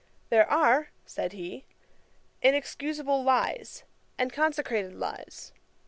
] 'There are (said he) inexcusable lies, and consecrated lies.